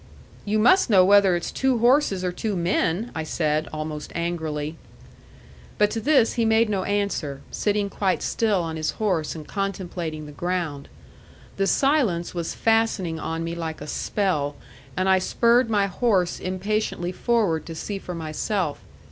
"You must know whether it's two horses or two men," I said, almost angrily. But to this he made no answer, sitting quite still on his horse and contemplating the ground. The silence was fastening on me like a spell, and I spurred my horse impatiently forward to see for myself.